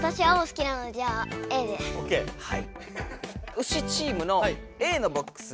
ウシチームのＡのボックス